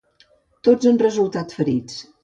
Tots han resultat ferits.